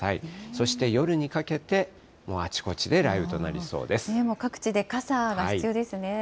そして夜にかけて、もうあちこち各地で傘が必要ですね。